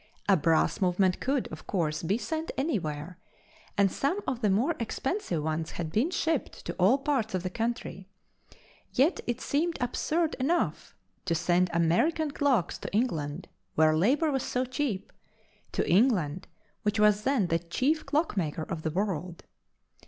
A brass movement could, of course, be sent anywhere, and some of the more expensive ones had been shipped to all parts of the country, yet it seemed absurd enough to send American clocks to England where labor was so cheap—to England, which was then the chief clockmaker of the world.